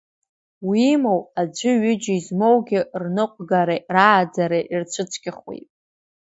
Уимоу, аӡәи ҩыџьеи змоугьы рныҟәгареи рааӡареи рцәыцәгьахупеи…